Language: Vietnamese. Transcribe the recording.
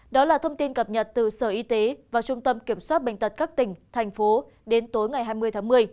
đó là thông tin cập nhật từ sở y tế và trung tâm kiểm soát bệnh tật các tỉnh thành phố đến tối ngày hai mươi tháng một mươi